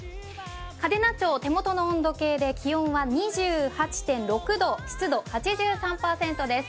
嘉手納町、手元の温度計で気温は２８．６度、湿度８３％です。